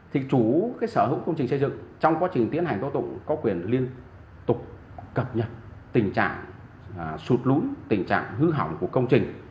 thì chủ sở hữu công trình xây dựng trong quá trình tiến hành tố tụng có quyền liên tục cập nhật tình trạng sụt lún tình trạng hư hỏng của công trình